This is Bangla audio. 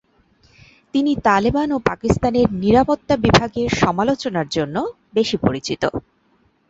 তিনি তালেবান ও পাকিস্তানের নিরাপত্তা বিভাগের সমালোচনার জন্য বেশি পরিচিত।